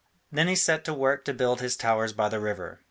Then he set to work to build his towers by the river.